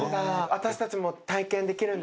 私たちも体験できるんですか？